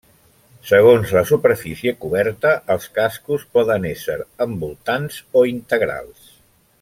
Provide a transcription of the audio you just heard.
Segons la superfície coberta els cascos poden ésser envoltants o integrals.